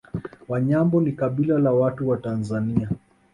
Wanyambo ni kabila la watu wa Tanzania